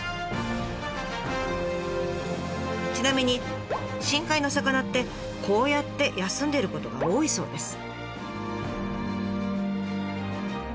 ちなみに深海の魚ってこうやって休んでることが多いそうです。